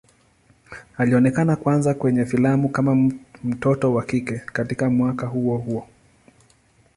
Alionekana kwanza kwenye filamu kama mtoto wa kike katika mwaka huo huo.